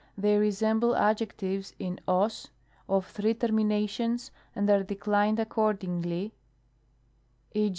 They resemble adjectives in og of three terminations, and are declined accordingly; e.